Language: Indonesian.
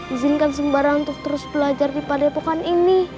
izinkan sembara untuk terus belajar di pada epokan ini